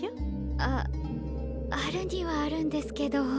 ああるにはあるんですけど。